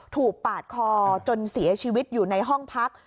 ปาดคอจนเสียชีวิตอยู่ในห้องพัก